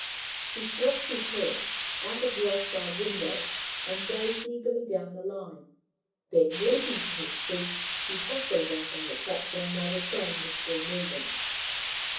He thrust his head out of the off side window, and gazed eagerly down the line; then, leaping to his feet, he bustled out on to the platform while the train was still moving.